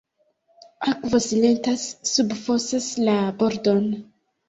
Akvo silenta subfosas la bordon.